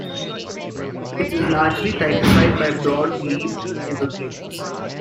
It is largely typified by broad-leaved evergreens.